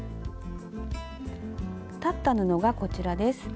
裁った布がこちらです。